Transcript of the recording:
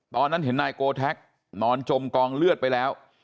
ตอนนั้นเห็นนายโกแท็กนอนจมกองเลือดไปแล้ว